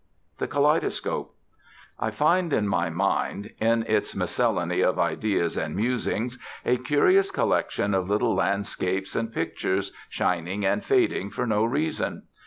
THE KALEIDOSCOPE I find in my mind, in its miscellany of ideas and musings, a curious collection of little landscapes and pictures, shining and fading for no reason.